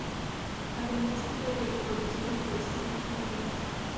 Además de que producido por Steve Levine.